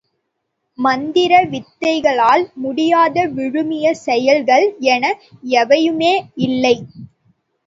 மந்திர வித்தைகளால் முடியாத விழுமிய செயல்கள் என எவையுமே இல்லை.